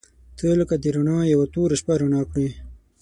• ته لکه د رڼا یوه توره شپه رڼا کړې.